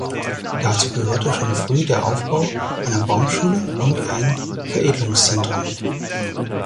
Dazu gehörte schon früh der Aufbau einer Baumschule und ein Veredelungszentrum.